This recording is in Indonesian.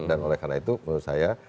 dan oleh karena itu menurut saya